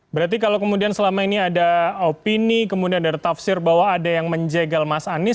berarti kalau kemudian selama ini ada opini kemudian dari tafsir bahwa ada yang menjegal mas anies